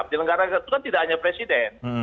penyelenggaran negara itu kan tidak hanya presiden